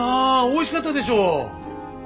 おいしかったでしょ？